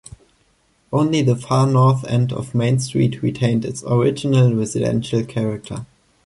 Only the far north end of Main Street retained its original residential character.